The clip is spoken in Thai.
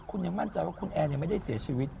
คุณยังมั่นใจว่าคุณแอนยังไม่ได้เสียชีวิต